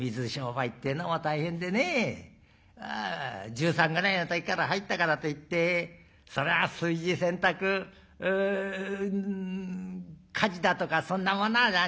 １３ぐらいの時から入ったからといってそりゃあ炊事洗濯家事だとかそんなものは何。